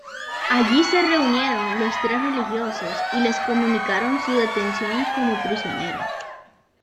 Allí se reunieron los tres religiosos y les comunicaron su detención como prisioneros.